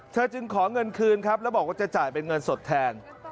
จึงขอเงินคืนครับแล้วบอกว่าจะจ่ายเป็นเงินสดแทน